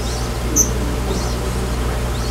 Yuba yella yeḥwaj ugar.